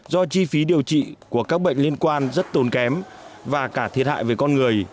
do chi phí điều trị của các bệnh liên quan rất tốn kém và cả thiệt hại về con người